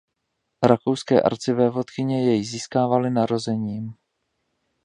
Rakouské arcivévodkyně jej získávaly narozením.